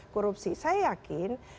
korupsi saya yakin